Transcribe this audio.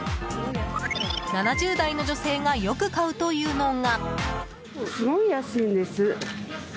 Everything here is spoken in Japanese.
７０代の女性がよく買うというのが。